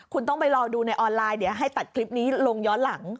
คุณต้องไปรอดูในออนไลน์เดี๋ยวให้ตัดคลิปนี้ลงย้อนหลัง